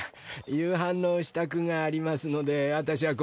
夕飯の支度がありますので私はこれで。